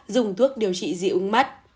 dùng thuốc điều trị dị ứng mắt